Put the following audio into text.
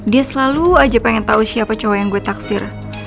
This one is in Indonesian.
dia selalu aja pengen tahu siapa cowok yang gue taksir